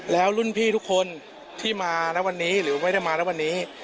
แล้วรุ่นพี่ทุกคนที่มาณวันนี้หรือไม่ได้มาแล้ววันนี้